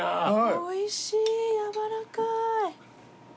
おいしい軟らかい。